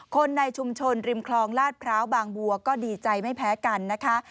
คนในชุมชนริมคลองลาดพร้าวบางบัวก็ดีใจไม่แพ้กันนะคะ